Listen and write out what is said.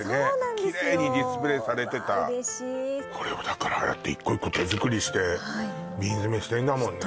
キレイにディスプレーされてたわあ嬉しいこれをだからああやって１個１個手作りして瓶詰めしてんだもんね